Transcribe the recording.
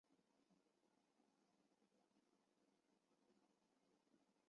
因此建立对照用实验组并进行对照检验极其重要。